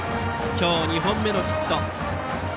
今日２本目のヒット。